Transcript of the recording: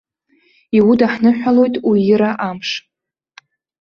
Иудаҳныҳәалоит уира амш.